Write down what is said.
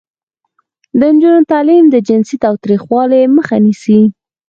د نجونو تعلیم د جنسي تاوتریخوالي مخه نیسي.